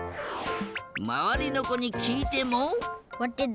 まわりのこにきいても。